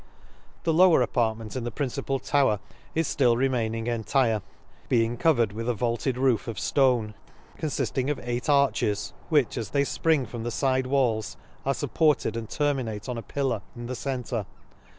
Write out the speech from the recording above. The lower apartment in the principal tower is ftill remaining entire ; being covered with a vaulted roof of flone ; confiding of eight arches, which as they fpring from the fide walls, are fupported and terminate on a pillar, in the centre.